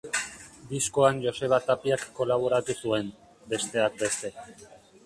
Diskoan Joseba Tapiak kolaboratu zuen, besteak beste.